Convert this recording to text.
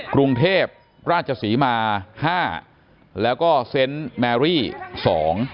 กรุงเทพราชศรีมาห้าแล้วก็เซนต์แมรี่สอง